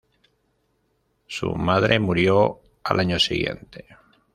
Su madre murió al año siguiente.